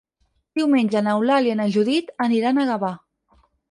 Diumenge n'Eulàlia i na Judit aniran a Gavà.